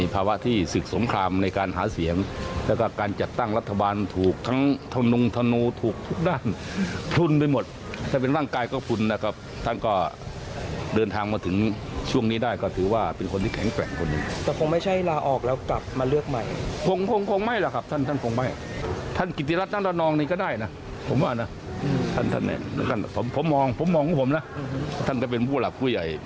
ผมมองคุณผมนะท่านก็เป็นผู้หลักผู้ใหญ่